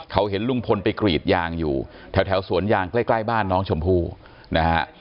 เขาเห็นลุงพลไปกรีดยางอยู่แถวสวนยางใกล้บ้านน้องชมพู่นะฮะ